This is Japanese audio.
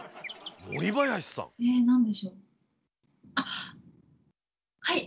あっはい！